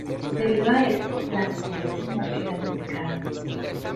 Debido a esto, la secuencia señal queda duplicada.